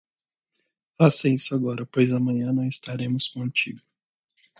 Faça isso agora, pois amanhã não estaremos contigo.